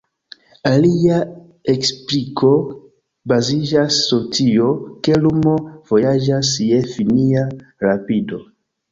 Alia ekspliko baziĝas sur tio, ke lumo vojaĝas je finia rapido.